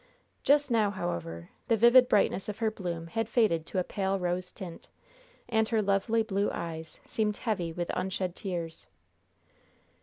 Just now, however, the vivid brightness of her bloom had faded to a pale rose tint, and her lovely blue eyes seemed heavy with unshed tears.